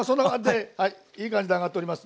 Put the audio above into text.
はいいい感じに揚がっております。